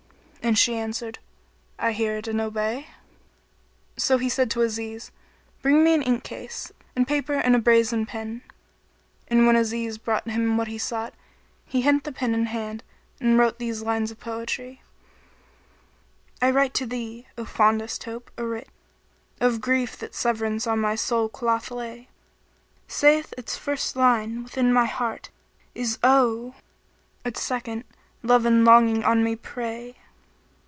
and she answered, "I hear and I obey." So he said to Aziz, "Bring me ink case and paper and a brazen pen." And when Aziz brought him what he sought, he hent the pen in hand and wrote these lines of poetry, "I write to thee, O fondest hope! a writ * Of grief that severance on my soul cloth lay: Saith its first line, 'Within my heart is [owe!' * Its second, 'Love and Longing on me prey!'